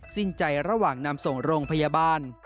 สิ้นใจระหว่างนำส่งโรงพยาบาล